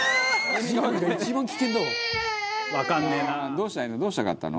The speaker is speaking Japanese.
「どうしたいの？